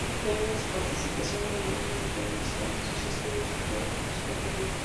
Debido a su participación en el One Million Star, sus estudios fue suspendido.